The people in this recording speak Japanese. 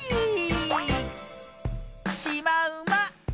しまうま。